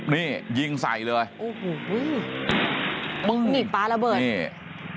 นี่ยิงใส่เลยอู้ว้าวนี่ป๋าระเบิด